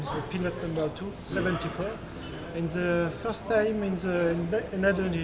dan pertama kali saya berjalan di indonesia